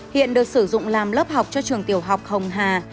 hiện được sử dụng làm lớp học cho trường tiểu học hồng hà